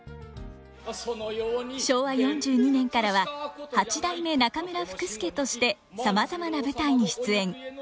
昭和４２年からは八代目中村福助としてさまざまな舞台に出演。